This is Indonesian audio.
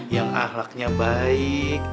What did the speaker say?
yang ahlaknya baik